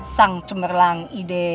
sang cemberlang ide